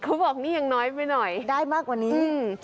เขาบอกนี่ยังน้อยไปหน่อยได้มากกว่านี้